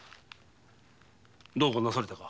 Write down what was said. どうかなされたか。